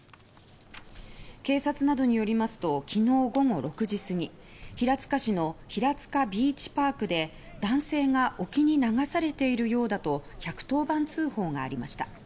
警察などによりますと昨日午後６時過ぎ平塚市の平塚ビーチパークで男性が沖に流されているようだと１１０番通報がありました。